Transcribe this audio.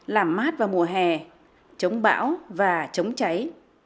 làm mát vào mùa hè chống bão và chống cháy